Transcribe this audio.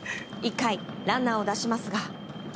１回、ランナーを出しますが。